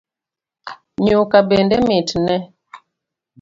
Nyuka bende mitne